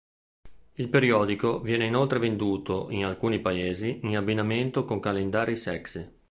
Il periodico viene inoltre venduto, in alcuni paesi, in abbinamento con calendari sexy.